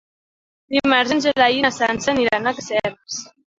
Dimarts en Gerai i na Sança aniran a Caseres.